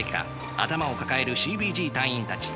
頭を抱えるＣＢＧ隊員たち。